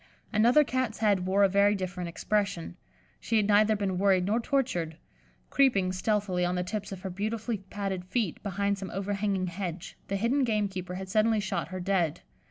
Another Cat's head wore a very different expression; she had neither been worried nor tortured. Creeping, stealthily, on the tips of her beautifully padded feet, behind some overhanging hedge, the hidden gamekeeper had suddenly shot her dead.